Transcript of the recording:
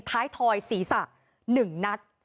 ท้ายทอยศรีษะ๑นัด